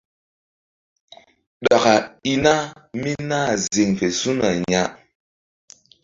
Ɗaka i na mí nah ziŋ fe su̧na ya.